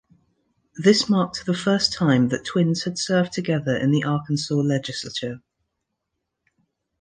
This marked the first time that twins had served together in the Arkansas legislature.